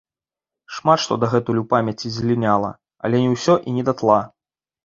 Шмат што дагэтуль у памяці зліняла, але не ўсё і не датла.